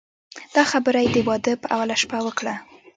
دا خبره یې د واده په اوله شپه وکړه.